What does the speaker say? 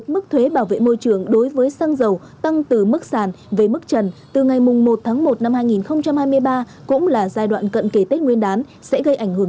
mức thuế này được áp dụng từ ngày một mươi một tháng bảy năm hai nghìn hai mươi hai cho đến hết ngày ba mươi một tháng một mươi hai năm hai nghìn hai mươi hai